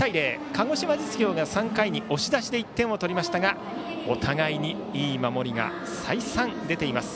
鹿児島実業が３回に押し出しで１点を取りましたがお互いにいい守りが再三、出ています。